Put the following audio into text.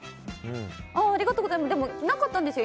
ありがとうございます。